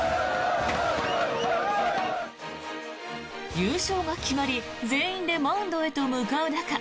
優勝が決まり全員でマウンドへと向かう中